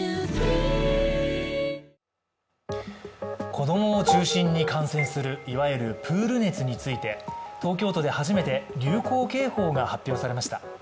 子供を中心に感染するいわゆるプール熱について、東京都で初めて流行警報が発表されました。